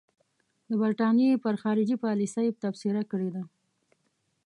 د برټانیې پر خارجي پالیسۍ تبصره کړې ده.